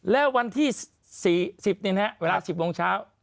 แล้ววันที่๔๐เวลา๑๐โมงเช้า